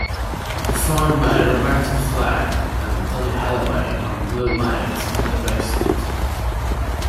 Performed by Roberta Flack and Donny Hathaway on Blue Lights in the Basement.